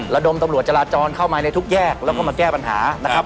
ระดมตำรวจจราจรเข้ามาในทุกแยกแล้วก็มาแก้ปัญหานะครับ